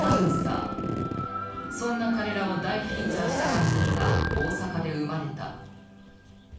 そんな彼らを大フィーチャーした番組が大阪で生まれた。